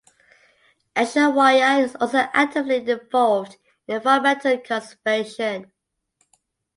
Aishwarya is also actively involved in environmental conservation.